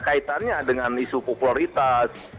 kaitannya dengan isu popularitas